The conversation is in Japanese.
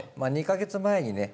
２か月前にね